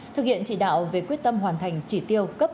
thực hiện chỉ đạo về quyết tâm hoàn thành chỉ tiêu cấp